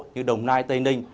như đồng nai tây ninh